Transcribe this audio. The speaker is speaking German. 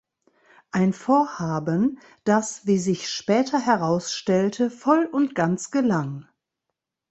Ein Vorhaben, das, wie sich später herausstellte, voll und ganz gelang.